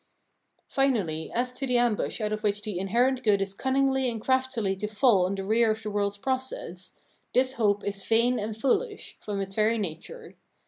Finally, as to the ambush out of which the inherent good is cunningly and craftily to fall on the rear of the world's process, this hope is vain and foohsh from its very nature.